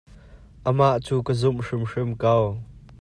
Amah cu ka zumh hrimhrim ko.